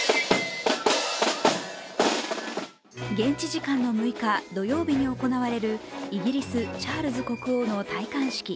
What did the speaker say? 現地時間の６日、土曜日に行われるイギリス・チャールズ国王の戴冠式。